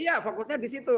iya fokusnya disitu